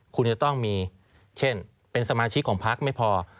คุณจะต้องมีเช่นเป็นสมาชิกของพักไม่พอ